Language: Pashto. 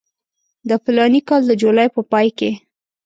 د فلاني کال د جولای په پای کې.